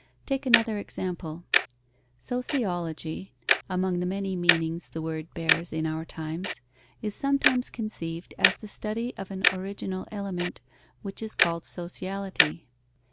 Take another example. Sociology (among the many meanings the word bears in our times) is sometimes conceived as the study of an original element, which is called sociality.